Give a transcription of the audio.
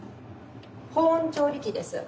保温調理器です。